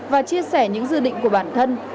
và chia sẻ những dự định của bản thân